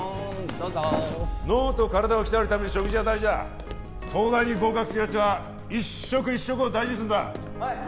どうぞ脳と体を鍛えるために食事は大事だ東大に合格するやつは一食一食を大事にするんだは